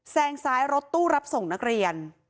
แซงซ้ายรถตู้รับส่งนักเรียน